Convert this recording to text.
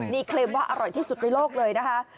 นี่เคลมว่าอร่อยที่สุดในโลกเลยนะคะ